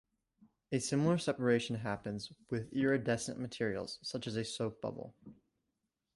A similar separation happens with iridescent materials, such as a soap bubble.